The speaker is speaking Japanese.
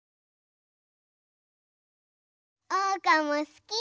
おうかもすき！